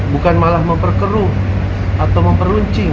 bukan malah memperkeruh atau memperuncing